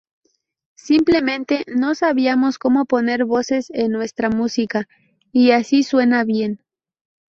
Simplemente no sabíamos cómo poner voces en nuestra música, y así suena bien".